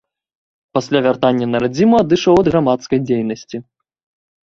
Пасля вяртання на радзіму адышоў ад грамадскай дзейнасці.